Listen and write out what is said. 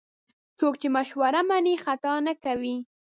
څوک چې مشوره مني، خطا نه کوي.